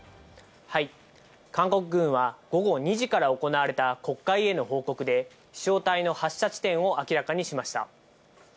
韓国軍は午後２時から行われた国会への報告で、飛しょう体の発射地点を明らかにしました。